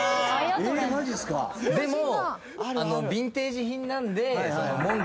でもビンテージ品なんで。